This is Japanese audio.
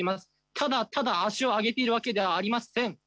ただただ足を上げているわけではありません！